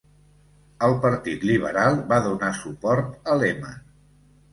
El Partit Liberal va donar suport a Lehman.